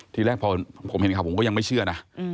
ทีแรกพอผมเห็นข่าวผมก็ยังไม่เชื่อนะ